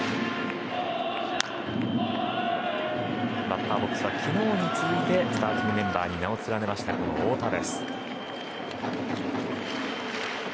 バッターボックスは昨日に続いてスターティングメンバーに名を連ねました、太田。